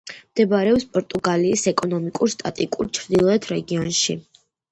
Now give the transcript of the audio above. მდებარეობს პორტუგალიის ეკონომიკურ-სტატისტიკურ ჩრდილოეთ რეგიონში.